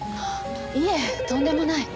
いいえとんでもない。